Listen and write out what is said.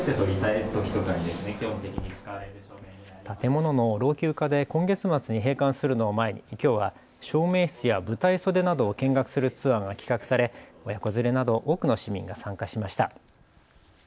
建物の老朽化で今月末に閉館するのを前にきょうは照明室や舞台袖などを見学するツアーが企画され親子連れなど多くの市民が参加しました。